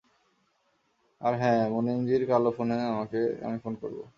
আর হ্যাঁঁ, মুনিমজির কালো ফোনে তোমাকে আমি ফোন করবো।